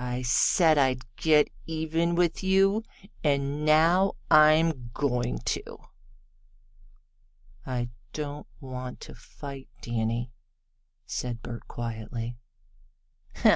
I said I'd get even with you, and now I'm going to." "I don't want to fight, Danny," said Bert quietly. "Huh!